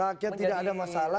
rakyat tidak ada masalah